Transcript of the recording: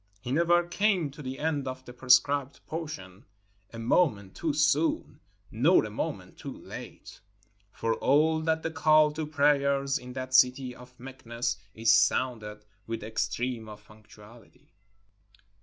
He never came to the end of the prescribed portion a moment too soon, nor a moment too late; for all that the call to prayers in that city of Meknes is sounded with the extreme of punctuality.